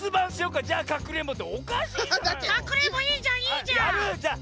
かくれんぼいいじゃんいいじゃん！